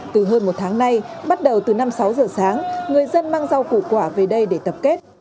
từ hơn một tháng nay bắt đầu từ năm sáu giờ sáng người dân mang rau củ quả về đây để tập kết